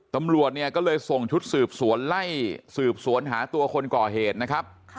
ตำรวจเนี่ยก็เลยส่งชุดสืบสวนไล่สืบสวนหาตัวคนก่อเหตุนะครับ